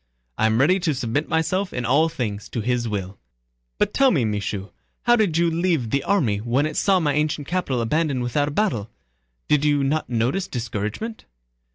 I am ready to submit myself in all things to His will; but tell me, Michaud, how did you leave the army when it saw my ancient capital abandoned without a battle? Did you not notice discouragement?..."